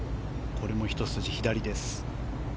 これもひと筋左です。